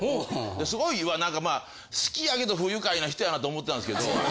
すごいなんか好きやけど不愉快な人やなと思ってたんですけど。